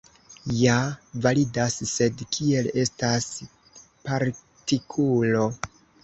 Ja validas, sed kiel estas partikulo.